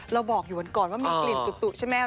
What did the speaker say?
เราบอกอยู่วันก่อนว่ามีกลิ่นตุ๊ใช่ไหม